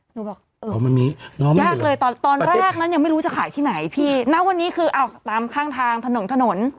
หนูบอกเออมันมียากเลยตอนตอนแรกนั้นยังไม่รู้จะขายที่ไหนพี่ณวันนี้คือเอาตามข้างทางถนนถนน